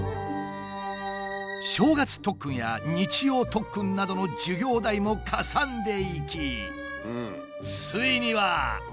正月特訓や日曜特訓などの授業代もかさんでいきついには。